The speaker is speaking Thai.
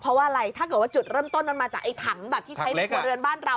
เพราะว่าอะไรถ้าเกิดว่าจุดเริ่มต้นมันมาจากไอ้ถังแบบที่ใช้ในครัวเรือนบ้านเรา